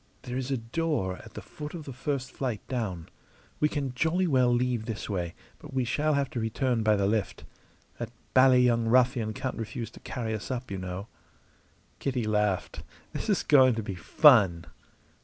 There is a door at the foot of the first flight down. We can jolly well leave this way, but we shall have to return by the lift. That bally young ruffian can't refuse to carry us up, y' know!" Kitty laughed. "This is going to be fun!"